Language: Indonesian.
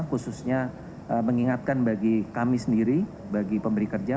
khususnya mengingatkan bagi kami sendiri bagi pemberi kerja